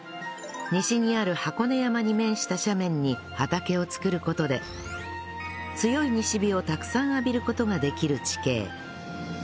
西にある箱根山に面した斜面に畑を作る事で強い西日をたくさん浴びる事ができる地形